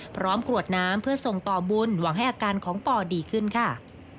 กรวดน้ำเพื่อส่งต่อบุญหวังให้อาการของปอดีขึ้นค่ะ